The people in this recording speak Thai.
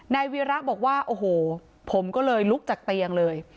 วีระบอกว่าโอ้โหผมก็เลยลุกจากเตียงเลย